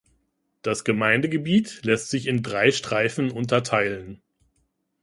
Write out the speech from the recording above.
Das Gemeindegebiet lässt sich in drei Streifen unterteilen.